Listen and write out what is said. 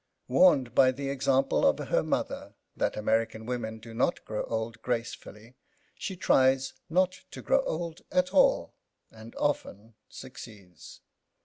Warned by the example of her mother that American women do not grow old gracefully, she tries not to grow old at all and often succeeds.